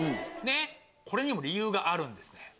これにも理由があるんですね。